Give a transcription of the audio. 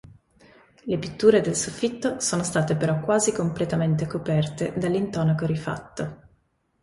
Le pitture del soffitto sono state però quasi completamente coperte dall'intonaco rifatto.